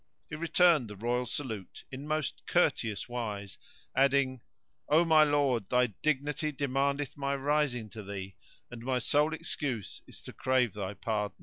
He returned the royal salute in most courteous wise adding, "O my lord, thy dignity demandeth my rising to thee; and my sole excuse is to crave thy pardon."